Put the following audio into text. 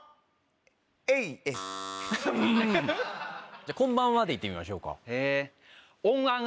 じゃ「こんばんは」でいってみましょうか。